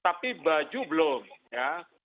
tapi baju belum ya